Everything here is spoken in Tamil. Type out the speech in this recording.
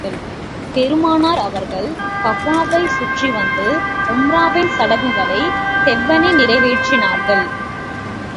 பெருமானார் அவர்கள் கஃபாவைச் சுற்றி வந்து, உம்ரா வின் சடங்குகளைச் செவ்வனே நிறைவேற்றினார்கள்.